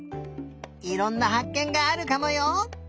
いろんなはっけんがあるかもよ。